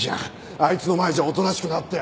あいつの前じゃおとなしくなって。